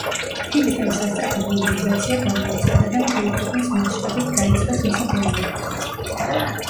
ფილიპემ სასწრაფო მობილიზაცია გამოაცხადა და მთელი ქვეყნის მასშტაბით დაიწყეს მისი დევნა.